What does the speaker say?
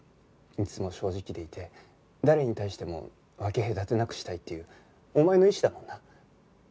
いつも正直でいて誰に対しても分け隔てなくしたいっていうお前の意思だもんな。